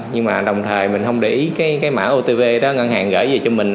nhưng mà đồng thời mình không để ý cái mã otp đó ngân hàng gửi về cho mình